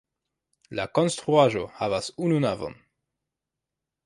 La konstruaĵo havas unu navon.